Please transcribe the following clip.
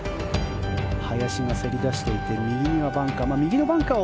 林がせり出していて右にはバンカー。